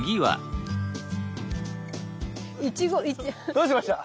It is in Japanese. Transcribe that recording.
どうしました？